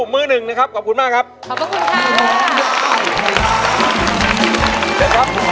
ขอบคุณค่ะ